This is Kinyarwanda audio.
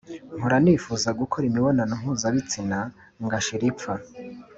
Mpora nifuza gukora imibonano mpuzabitsina ngashira ipfa